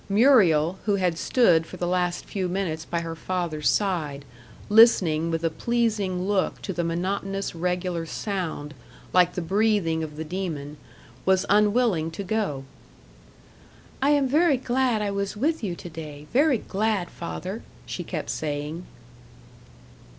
Muriel, who had stood for the last few minutes by her father's side, listening with a pleasing look to the monotonous regular sound, like the breathing of the demon, was unwilling to go. "I am very glad I was with you to day, very glad, father," she kept saying.